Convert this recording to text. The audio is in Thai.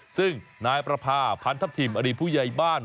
ซึ่งนายประพาพันทัพทิมอดีตผู้ใหญ่บ้าน